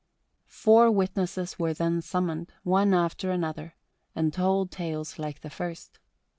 Four witnesses were then summoned, one after another, and told tales like the first.